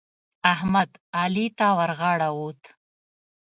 احمد؛ علي ته ورغاړه وت.